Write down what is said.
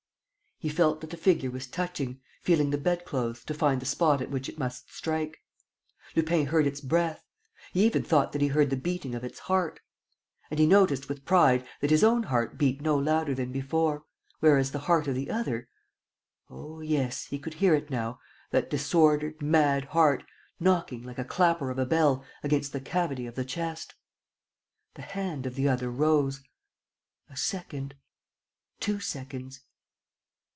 He felt that the figure was touching, feeling the bed clothes, to find the spot at which it must strike. Lupin heard its breath. He even thought that he heard the beating of its heart. And he noticed with pride that his own heart beat no louder than before ... whereas the heart of the other ... oh, yes, he could hear it now, that disordered, mad heart, knocking, like a clapper of a bell, against the cavity of the chest! The hand of the other rose. ... A second, two seconds.